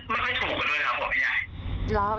ไม่ค่อยถูกเลยครับผมแม่ยาย